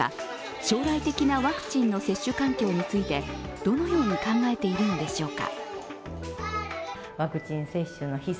将来的なワクチンの接種環境についてどのように考えているのでしょうか。